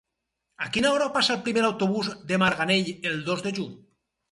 A quina hora passa el primer autobús per Marganell el dos de juny?